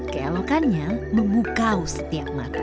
keelokannya membuka setiap mata